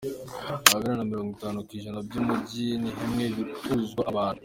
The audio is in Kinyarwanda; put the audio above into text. Ahangana na mirongo itanu kwi ijana by’Umujyi ntihemewe gutuzwa abantu